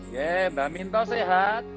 yee bah minto sehat